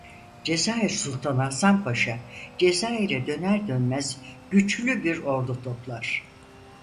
Cezayir sultanı Hasan Paşa Cezayir'e döner dönmez güçlü bir ordu toplar.